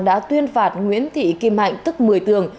đã tuyên phạt nguyễn thị kim hạnh tức một mươi tường